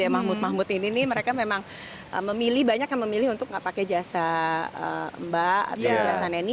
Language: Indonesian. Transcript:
mahmud mahmud ini nih mereka memang memilih banyak yang memilih untuk nggak pakai jasa mbak atau jasa neni